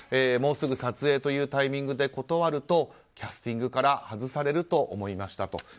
もうすぐ撮影というタイミングで断ると、キャスティングから外されると思いましたと。